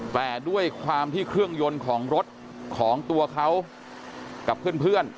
แต่ด้วยความที่เครื่องยนต์ของรถของตัวเขากับเพื่อน